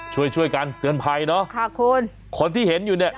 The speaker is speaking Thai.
ช่วยช่วยกันเตือนภัยเนอะค่ะคุณคนที่เห็นอยู่เนี่ย